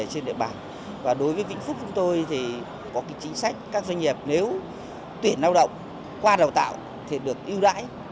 trên địa bàn và đối với vĩnh phúc của tôi thì có chính sách các doanh nghiệp nếu tuyển lao động qua đào tạo thì được ưu đãi